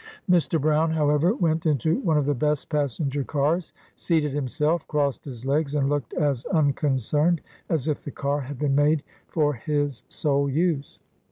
Mr. Brown, however, went into one of the best passenger cars, seated himself, crossed his legs, and looked as unconcerned as if the car had been made for his sole use.